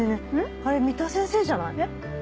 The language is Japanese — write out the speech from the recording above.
あれ三田先生じゃない？